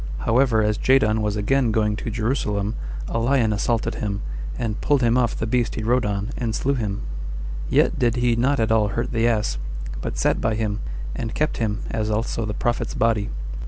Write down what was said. However, as Jadon was again going to Jerusalem, a lion assaulted him, and pulled him off the beast he rode on, and slew him; yet did he not at all hurt the ass, but sat by him, and kept him, as also the prophet's body.